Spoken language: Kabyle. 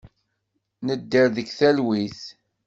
Nedder deg talwit.